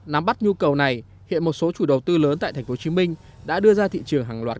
nắm bắt nhu cầu này hiện một số chủ đầu tư lớn tại tp hcm đã đưa ra thị trường hàng loạt